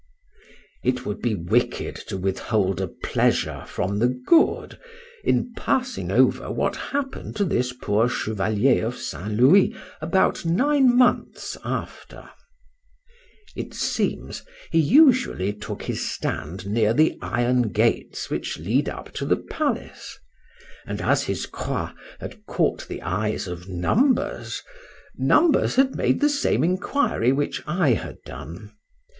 It would be wicked to withhold a pleasure from the good, in passing over what happen'd to this poor Chevalier of St. Louis about nine months after. It seems he usually took his stand near the iron gates which lead up to the palace, and as his croix had caught the eyes of numbers, numbers had made the same enquiry which I had done.